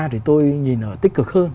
thì tôi nhìn ở tích cực hơn